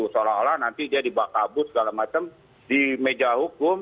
seolah olah nanti dia dibakabut segala macam di meja hukum